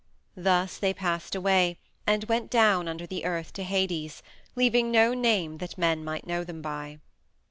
Thus they passed away, and went down under the earth to Hades, leaving no name that men might know them by.